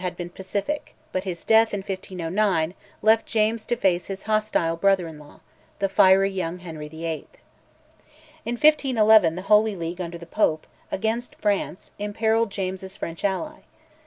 had been pacific, but his death, in 1509, left James to face his hostile brother in law, the fiery young Henry VIII. In 1511 the Holy League under the Pope, against France, imperilled James's French ally.